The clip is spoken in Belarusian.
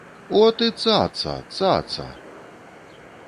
О, ты цаца, цаца!